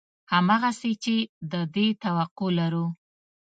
همغسې چې د دې توقع لرو